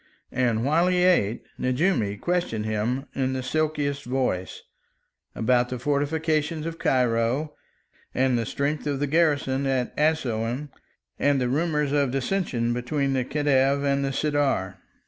And, while he ate, Nejoumi questioned him, in the silkiest voice, about the fortifications of Cairo and the strength of the garrison at Assouan, and the rumours of dissension between the Khedive and the Sirdar.